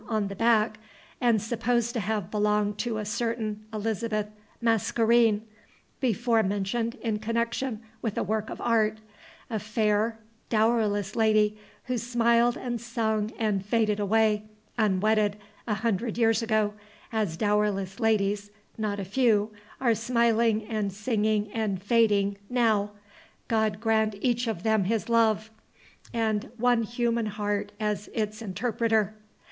on the back, and supposed to have belonged to a certain Elizabeth Mascarene, before mentioned in connection with a work of art, a fair, dowerless lady, who smiled and sung and faded away, unwedded, a hundred years ago, as dowerless ladies, not a few, are smiling and singing and fading now, God grant each of them His love, and one human heart as its interpreter!